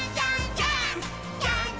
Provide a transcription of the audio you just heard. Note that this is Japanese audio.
ジャンプ！！」